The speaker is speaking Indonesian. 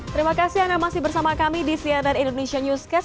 terima kasih anda masih bersama kami di cnn indonesia newscast